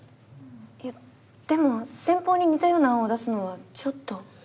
いやでも先方に似たような案を出すのはちょっと。